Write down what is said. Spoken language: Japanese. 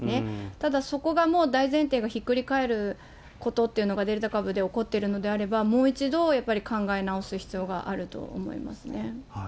ただ、そこがもう大前提がひっくり返ることっていうのが、デルタ株で起こっているのであれば、もう一度、やっぱり考え直す必要があると思いますね。